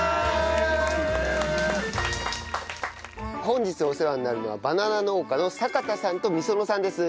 本日お世話になるのはバナナ農家の坂田さんと御園さんです。